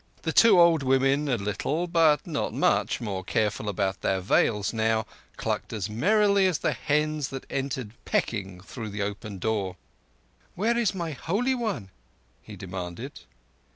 The two old women, a little, but not much, more careful about their veils now, clucked as merrily as the hens that had entered pecking through the open door. "Where is my Holy One?" he demanded.